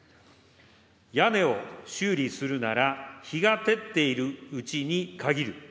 屋根を修理するなら、日が照っているうちに限る。